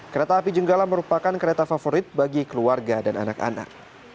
kereta api jenggala merupakan kereta favorit bagi keluarga dan anak anak